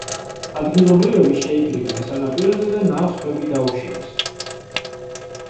ადგილობრივები შეიკრიბნენ სანაპიროზე და ნავს ქვები დაუშინეს.